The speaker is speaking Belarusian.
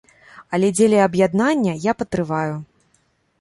Але дзеля аб'яднання я патрываю.